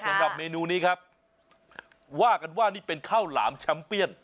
สำหรับเมนูนี้ครับว่ากันว่านี่เป็นข้าวหลามแชมเปี้ยน